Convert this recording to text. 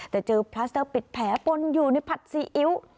แต่เจอพลัสเตอร์ปิดแผลปนอยู่ในผัดซีอิ๊ว